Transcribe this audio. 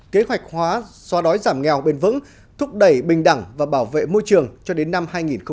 kế hoạch hóa xóa đói giảm nghèo bền vững thúc đẩy bình đẳng và bảo vệ môi trường cho đến năm hai nghìn hai mươi